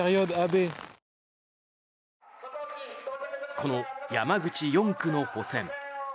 この山口４区の補選。